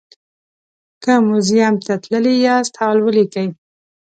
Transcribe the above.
که موزیم ته تللي یاست حال ولیکئ.